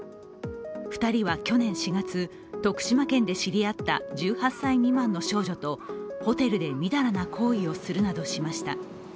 ２人は去年４月、徳島県で知り合った１８歳未満の少女とホテルで淫らな行為をするなどしました。